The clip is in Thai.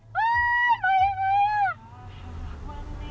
มันยังไง